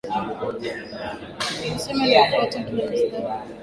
misemo inayofuata kila mstari kwa kurudiwarudiwa na waimbaji kukabiliana na mistari yao